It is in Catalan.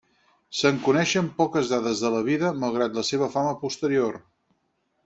Se'n coneixen poques dades de la vida, malgrat la seva fama posterior.